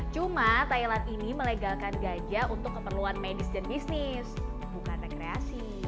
cuma thailand ini melegalkan gajah untuk keperluan medis dan bisnis bukan rekreasi